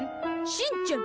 しんちゃん。